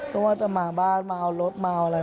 ก็ว่าจะมาบ้านมาเอารถมาเอาอะไร